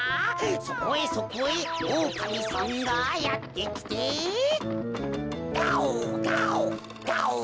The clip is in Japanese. そこへそこへおおかみさんがやってきてガオガオガオ！